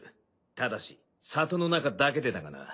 ただし里の中だけでだがな。